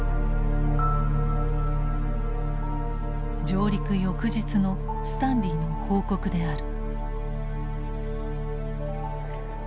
上陸翌日のスタンリーの報告である。